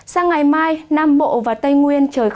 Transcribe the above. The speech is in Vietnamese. sang ngày mai nam bộ và tây nguyên trời